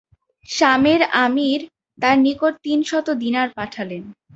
শামের আমীর তার নিকট তিনশত দীনার পাঠালেন।